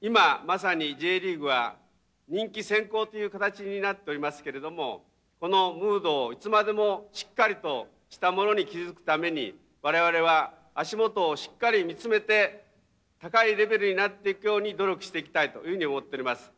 今まさにＪリーグは人気先行という形になっておりますけれどもこのムードをいつまでもしっかりとしたものに築くために我々は足元をしっかり見つめて高いレベルになっていくように努力していきたいと思っております。